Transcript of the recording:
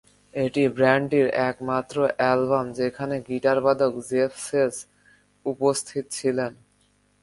এটি ব্যান্ডটির একমাত্র অ্যালবাম যেখানে গিটারবাদক জেফ সেজ উপস্থিত ছিলেন।